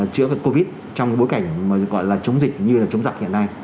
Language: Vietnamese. chữa cái covid trong bối cảnh mà gọi là chống dịch như là chống dặn hiện nay